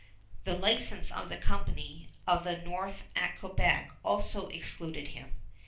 The license of the Company of the North at Quebec also excluded him.